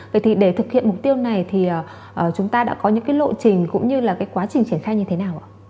vậy thì để thực hiện mục tiêu này thì chúng ta đã có những cái lộ trình cũng như là cái quá trình triển khai như thế nào ạ